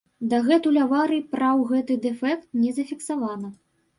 Дагэтуль аварый праў гэты дэфект не зафіксавана.